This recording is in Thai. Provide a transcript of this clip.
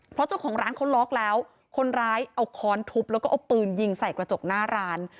เพราะเจ้าของร้านเขาล็อกแล้วคนร้ายเอาค้อนทุบแล้วก็เอาปืนยิงใส่กระจกหน้าร้าน